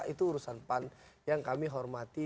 itu urusan pan yang kami hormati